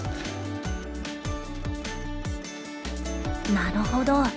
なるほど。